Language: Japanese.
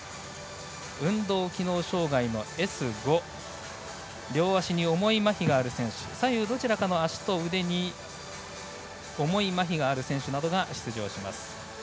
運動機能障がいのＳ５両足に重いまひがある選手左右どちらかの足と腕に重いまひがある選手などが出場します。